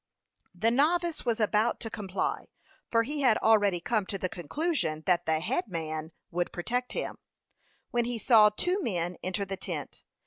The novice was about to comply, for he had already come to the conclusion that the "head man" would protect him, when he saw two men enter the tent.